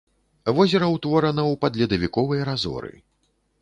Возера ўтворана ў падледавіковай разоры.